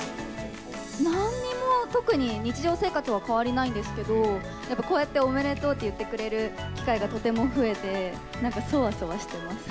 なんにも特に、日常生活は変わりないんですけど、やっぱ、こうやっておめでとうって言ってくれる機会が増えて、なんかそわそわしてます。